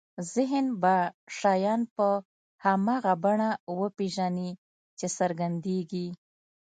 ذهن به شیان په هماغه بڼه وپېژني چې څرګندېږي.